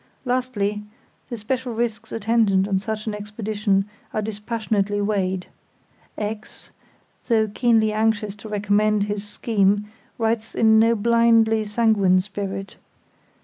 Lastly, the special risks attendant on such an expedition are dispassionately weighed. X——, though keenly anxious to recommend his scheme, writes in no blindly sanguine spirit.